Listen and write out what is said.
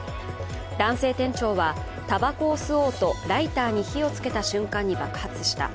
男性店長はたばこを吸おうとライターに火をつけた瞬間に爆発した。